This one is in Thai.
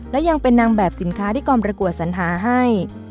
และยังเป็นนางแบบสินค้าที่กองประกวดสัญหาให้